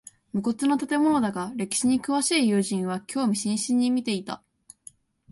無骨な建物だが歴史に詳しい友人は興味津々に見ていた